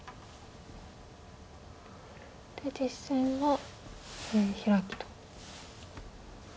で実戦は下辺ヒラキと。